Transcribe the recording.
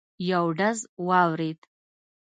یو ډز واورېد.